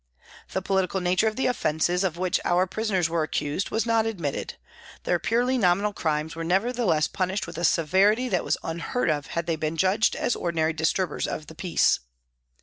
The political nature of the offences of which our prisoners were accused was not admitted ; their purely nominal crimes were nevertheless punished with a severity that was unheard of had they been judged as ordinary disturbers of the peace.